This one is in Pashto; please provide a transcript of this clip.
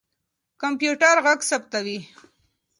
کمپيوټر ږغ ثبتوي.